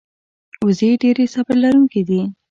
وزې ډېرې صبر لرونکې دي